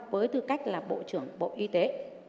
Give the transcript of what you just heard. với tư cách là bộ trưởng bộ y tế